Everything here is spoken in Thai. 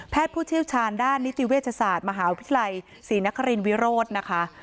ผู้เชี่ยวชาญด้านนิติเวชศาสตร์มหาวิทยาลัยศรีนครินวิโรธนะคะ